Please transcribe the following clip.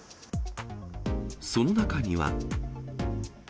その中には。